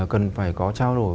cần phải có trao đổi